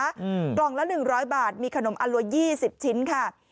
อืมกล่องละหนึ่งร้อยบาทมีขนมอรัวยี่สิบชิ้นค่ะ